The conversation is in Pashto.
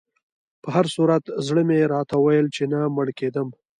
په هر صورت زړه مې راته ویل چې نه مړ کېدم.